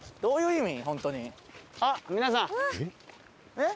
えっ？